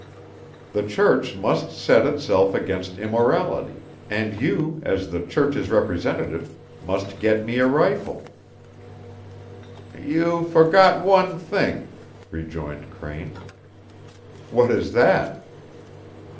The Church must set itself against immorality, and you, as the Church's representative, must get me a rifle." "You forget one thing," rejoined Crane. "What is that?"